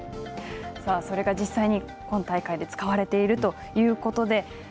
それが実際に今大会で使われているということで。